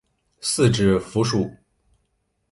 四指蝠属。